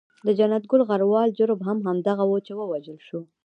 د جنت ګل غروال جرم هم همدغه وو چې و وژل شو.